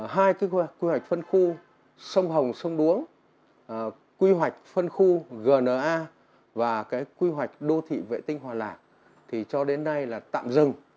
hai quy hoạch phân khu sông hồng sông đuống quy hoạch phân khu gna và quy hoạch đô thị vệ tinh hòa lạc thì cho đến nay là tạm dừng